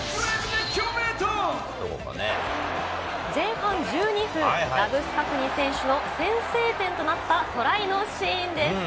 前半１２分、ラブスカフニ選手の先制トライとなったトライのシーンです。